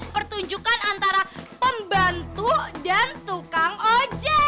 pertunjukan antara pembantu dan tukang ojek